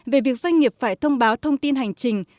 về việc doanh nghiệp phải thông báo thông tin hành trình